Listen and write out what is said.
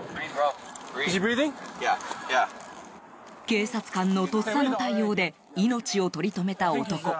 警察官のとっさの対応で命を取り留めた男。